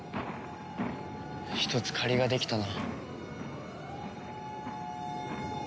１つ借りができたな。